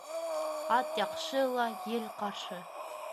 Ат яҡшы ла, ел ҡаршы.